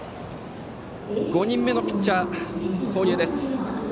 ５人目のピッチャー投入です。